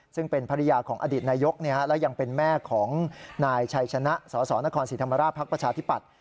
ซึ่งเป็นภรรยาของอดีตนายกและยังเป็นแม่ของนายชัยชนะสสนครศรีธรรมราชภักดิ์ประชาธิปัตย